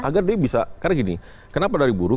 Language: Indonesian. agar dia bisa karena gini kenapa dari buruh